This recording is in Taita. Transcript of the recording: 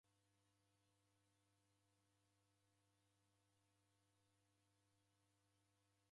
W'ika vitabu mfukonyi visenyelo